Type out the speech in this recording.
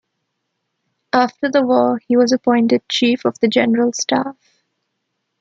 After the war he was appointed Chief of the General Staff.